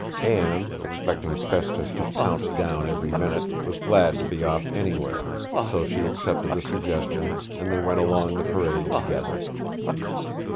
Anne, expecting Festus to pounce down every minute, was glad to be off anywhere; so she accepted the suggestion, and they went along the parade together.